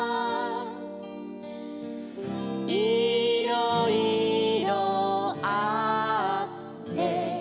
「いろいろあって」